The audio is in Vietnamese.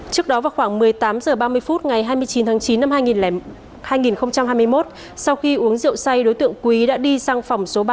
trước đó vào khoảng một mươi tám h ba mươi phút ngày hai mươi chín tháng chín năm hai nghìn hai mươi một sau khi uống rượu say đối tượng quý đã đi sang phòng số ba